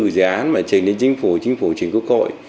dự án mà trình đến chính phủ chính phủ trình quốc hội